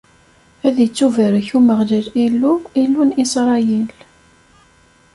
Ad ittubarek Umeɣlal Illu, Illu n Isṛayil.